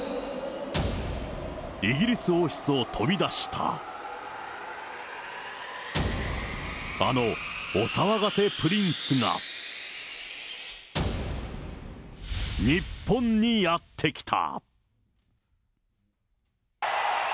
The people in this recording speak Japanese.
イギリス王室を飛び出した、あのお騒がせプリンスが、日本にやって来た！